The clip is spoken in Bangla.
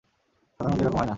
সাধারণত এরকম হয় না।